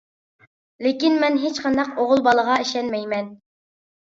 لېكىن مەن ھېچقانداق ئوغۇل بالىغا ئىشەنمەيمەن.